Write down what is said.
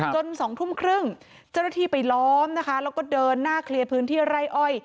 สองทุ่มครึ่งเจ้าหน้าที่ไปล้อมนะคะแล้วก็เดินหน้าเคลียร์พื้นที่ไร่อ้อย